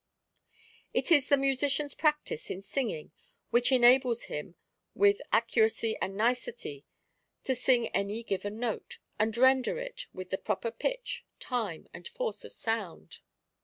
It is the musician's practice in singing which enables him with ac curacy and nicety to sing any given note, and render it with the proper pitch, time, and force of sound.